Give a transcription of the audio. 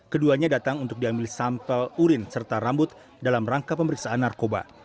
keduanya datang untuk diambil sampel urin serta rambut dalam rangka pemeriksaan narkoba